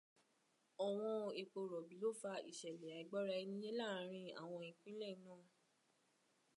Ọ̀wán epo rọ̀bí ló fa ìṣẹ̀lẹ̀ àìgbọ́ra-ẹni-yé láàárín àwọn ìpínlẹ̀ náà.